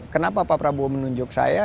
kenapa pak prabowo menunjuk saya